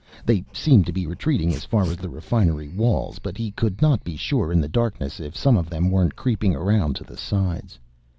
They seemed to be retreating as far as the refinery walls, but he could not be sure in the darkness if some of them weren't creeping around to the sides.